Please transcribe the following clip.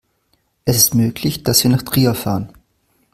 Es ist möglich, dass wir nach Trier fahren